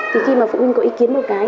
thì khi mà phụ huynh có ý kiến một cái